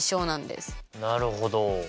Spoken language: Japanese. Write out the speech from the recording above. なるほど。